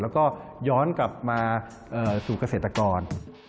แล้วก็ย้อนกลับมาสู่เกษตรกร